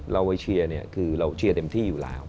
เราไปเชียร์เนี่ยคือเราเชียร์เต็มที่อยู่แล้ว